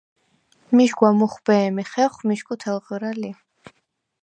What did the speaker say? მიშგვა მუხვბე̄მი ხეხვი მიშგუ თელღრა ლი.